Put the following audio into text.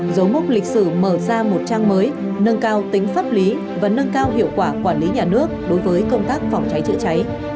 dấu mốc lịch sử mở ra một trang mới nâng cao tính pháp lý và nâng cao hiệu quả quản lý nhà nước đối với công tác phòng cháy chữa cháy